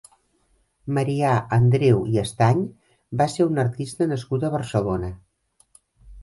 Marià Andreu i Estany va ser un artista nascut a Barcelona.